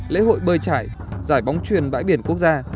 lễ hội bơi trải giải bóng truyền bãi biển quốc gia